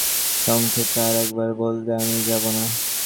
সংক্ষেপে আর-একবার বললে, আমি যাব না।